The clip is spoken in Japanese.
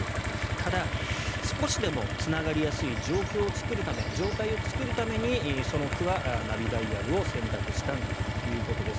ただ、少しでもつながりやすい状態を作るためにその区はナビダイヤルを選択したんだということです。